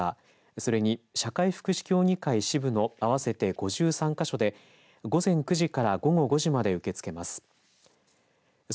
それに社会福祉協議会支部の合わせて５３か所で午前９時から午後５時まで受け付けます。